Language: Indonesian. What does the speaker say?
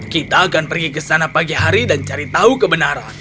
kita akan pergi ke sana pagi hari dan cari tahu kebenaran